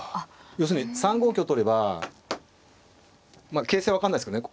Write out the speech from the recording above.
要するに３五香取ればまあ形勢は分かんないですけどね